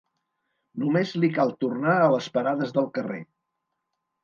Només li cal tornar a les parades del carrer.